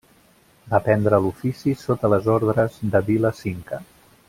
Va aprendre l'ofici sota les ordres de Vila Cinca.